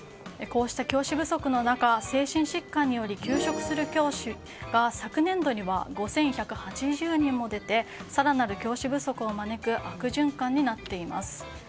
こうした教師不足の中精神疾患により休職する教師が昨年度には５１８０人も出て更なる教師不足を招く悪循環になっています。